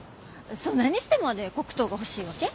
そんなにしてまで黒糖が欲しいわけ？